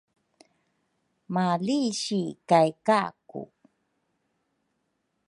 malisi kay Kaku.